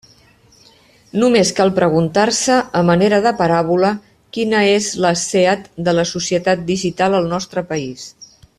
Només cal preguntar-se, a manera de paràbola, quina és la SEAT de la societat digital al nostre país.